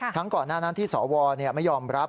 ก่อนหน้านั้นที่สวไม่ยอมรับ